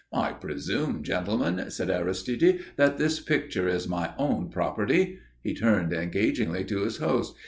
"I presume, gentlemen," said Aristide, "that this picture is my own property." He turned engagingly to his host.